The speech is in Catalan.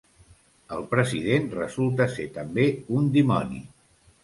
El president resulta ser també un dimoni.